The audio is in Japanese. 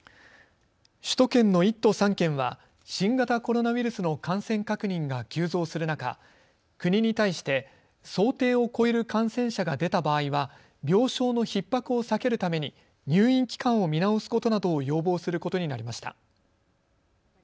首都圏の１都３県は新型コロナウイルスの感染確認が急増する中、国に対して想定を超える感染者が出た場合は病床のひっ迫を避けるために入院期間を見直すことなどを要望することになりました。